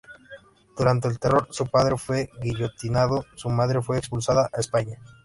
Durante el Terror su padre fue guillotinado, su madre fue expulsada a España.